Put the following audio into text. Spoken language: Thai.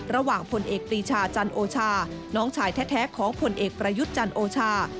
ผลเอกปรีชาจันโอชาน้องชายแท้ของผลเอกประยุทธ์จันทร์โอชา